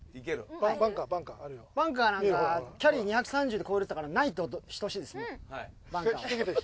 バンカーなんかキャリー２３０で越えるって言ってたからないってこと等しいですよ。